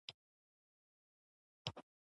ازادي راډیو د کلتور په اړه د معارفې پروګرامونه چلولي.